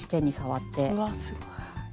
うわすごい。